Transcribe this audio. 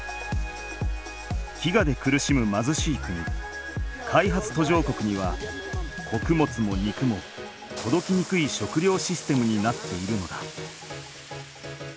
飢餓で苦しむまずしい国開発途上国にはこくもつも肉もとどきにくい食料システムになっているのだ。